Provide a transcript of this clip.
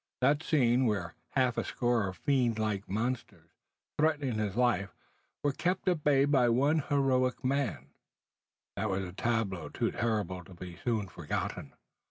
That scene, where half a score of fiend like monsters, threatening his life, were kept at bay by one heroic man, that was a tableau too terrible to be soon forgotten.